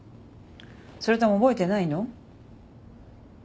それとも覚えてないの？